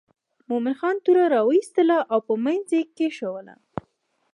مومن خان توره را وایستله او په منځ یې کېښووله.